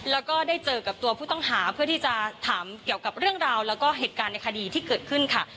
แล้วก็ได้เจอกับตัวผู้ต้องหาเพื่อที่จะถามเกี่ยวกับเรื่องราวแล้วก็เหตุการณ์ในคดีที่เกิดขึ้นค่ะ